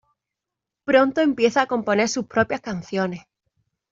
Pronto empieza a componer sus propias canciones.